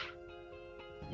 ya dalam hal ini